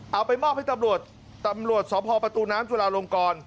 เอาไปมอบให้ตำรวจตำรวจสพประตูน้ำจุลาลงกร